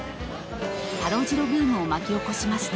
［「タロ・ジロ」ブームを巻き起こしました］